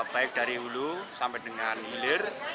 baik dari hulu sampai dengan hilir